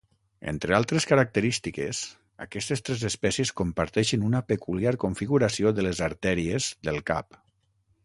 Entre altres característiques, aquestes tres espècies comparteixen una peculiar configuració de les artèries del cap.